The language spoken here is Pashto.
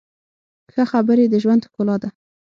ښه خبرې د ژوند ښکلا ده.